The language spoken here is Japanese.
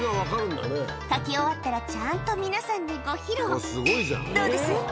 書き終わったらちゃんと皆さんにご披露。